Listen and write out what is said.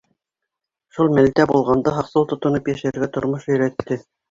Шул мәлдә булғанды һаҡсыл тотоноп йәшәргә тормош өйрәтте.